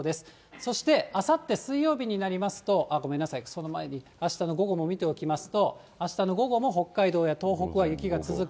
そして、あさって水曜日になりますと、ごめんなさい、その前にあしたの午後も見ておきますと、あしたの午後も北海道や東北は雪が続き。